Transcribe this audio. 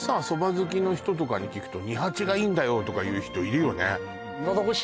蕎麦好きの人とかに聞くと二八がいいんだよとか言う人いるよね